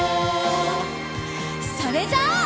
それじゃあ。